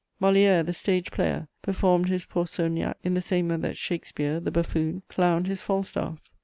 Molière, the "stage player," performed his Pourceaugnac in the same way that Shakespeare, the "buffoon," clowned his Falstaff.